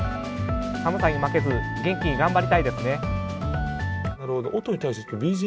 寒さに負けず元気に頑張りたいですね。